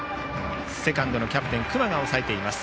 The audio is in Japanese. セカンドのキャプテン隈が抑えています。